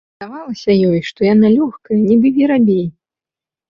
Здавалася ёй, што яна лёгкая, нібы верабей.